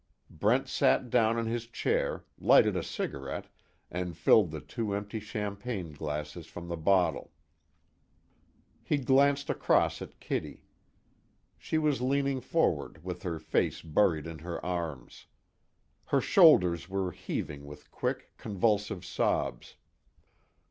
Brent sat down in his chair, lighted a cigarette, and filled the two empty champagne glasses from the bottle. He glanced across at Kitty. She was leaning forward with her face buried in her arms. Her shoulders were heaving with quick, convulsive sobs.